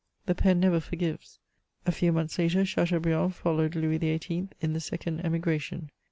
The pen never forgives. A few months later, Chateaubriand followed Louis XVIII in the second emigration.